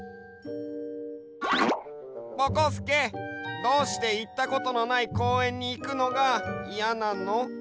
ぼこすけどうしていったことのないこうえんにいくのがいやなの？